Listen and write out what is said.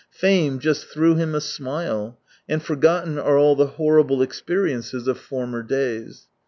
Fame just threw him a smile, and forgotten are all the horrible experiences of former days.